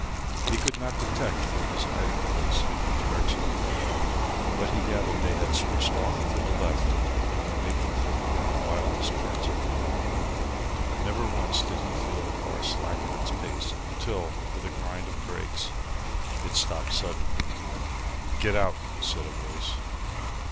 He could not detect from his hiding place in what direction they were going, but he gathered they had switched off to the left and were making for one of the wildest parts of the moor. Never once did he feel the car slacken its pace, until, with a grind of brakes, it stopped suddenly. "Get out," said a voice.